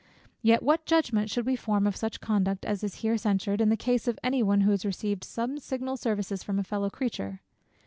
Yet, what judgment should we form of such conduct, as is here censured, in the case of any one who had received some signal services from a fellow creature?